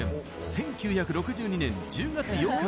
１９６２年１０月８日